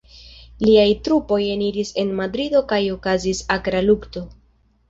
Liaj trupoj eniris en Madrido kaj okazis akra lukto.